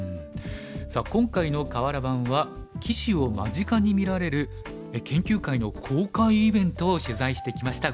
さあ今回の「かわら盤」は棋士を間近に見られる研究会の公開イベントを取材してきました。